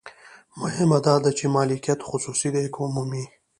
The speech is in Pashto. مهمه دا ده چې مالکیت خصوصي دی که عمومي.